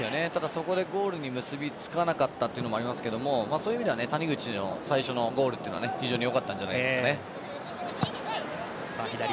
そこでゴールに結びつかなかったというのもありましたがそういう意味では谷口の最初のゴールは非常によかったんじゃないですかね。